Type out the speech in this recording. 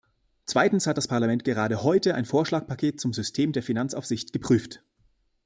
Zweitens hat das Parlament gerade heute ein Vorschlagpaket zum System der Finanzaufsicht geprüft.